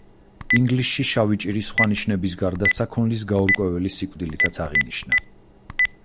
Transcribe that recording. ინგლისში შავი ჭირი სხვა ნიშნების გარდა საქონლის გაურკვეველი სიკვდილითაც აღინიშნა.